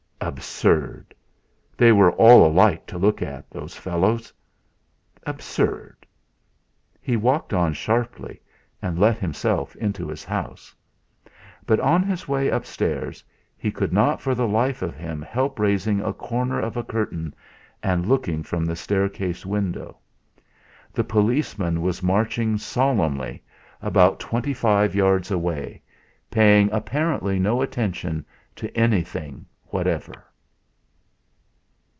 Absurd! They were all alike to look at those fellows! Absurd! He walked on sharply, and let himself into his house. But on his way upstairs he could not for the life of him help raising a corner of a curtain and looking from the staircase window. The policeman was marching solemnly, about twenty five yards away, paying apparently no attention to anything whatever.